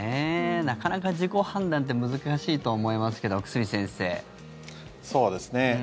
なかなか自己判断って難しいとは思いますけど久住先生。